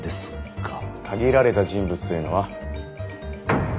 限られた人物というのは？